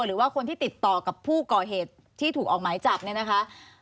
หรือว่าคนที่ติดต่อกับผู้ก่อเหตุที่ถูกออกหมายจับเนี่ยนะคะ